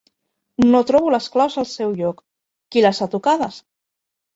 No trobo les claus al seu lloc: qui les ha tocades?